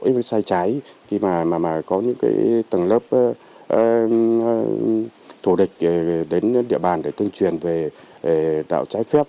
với sai trái khi mà có những cái tầng lớp thủ địch đến địa bàn để tuyên truyền về đạo trái phép